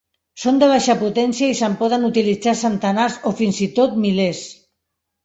Són de baixa potència i se'n poden utilitzar centenars o fins i tot milers.